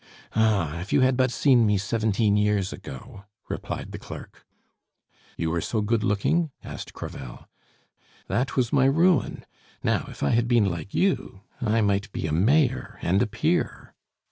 "Ah, if you had but seen me seventeen years ago!" replied the clerk. "You were so good looking?" asked Crevel. "That was my ruin; now, if I had been like you I might be a mayor and a peer."